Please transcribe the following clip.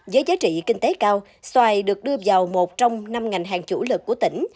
với giá trị kinh tế cao xoài được đưa vào một trong năm ngành hàng chủ lực của tỉnh